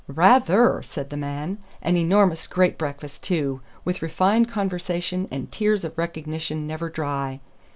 "Rather!" said the man. "An enormous great breakfast, too with refined conversation and tears of recognition never dry.